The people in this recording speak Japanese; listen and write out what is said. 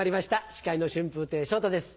司会の春風亭昇太です。